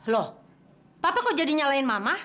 loh papa kok jadi nyalahin mama